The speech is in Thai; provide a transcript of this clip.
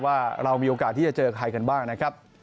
ว่าเรามีโอกาสที่จะเจอใครกันบ้างนะครับ